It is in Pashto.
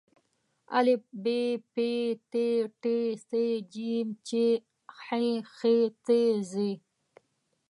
ا ب پ ت ټ ث ج چ ح خ څ ځ